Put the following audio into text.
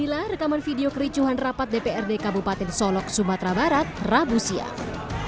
inilah rekaman video kericuhan rapat dprd kabupaten solok sumatera barat rabu siang